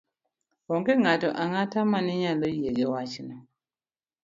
Onge ng'ato ang'ata ma ne nyalo yie gi wachno